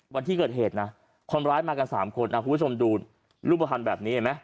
วันที่เกิดเหตุนะคนร้ายมากัน๓คนคุณผู้ชมดูรูปภัณฑ์แบบนี้เห็นไหม